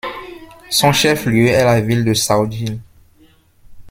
Son chef-lieu est la ville de Saujil.